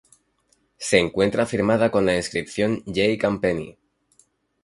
Se encuentra firmada con la inscripción: J. Campeny.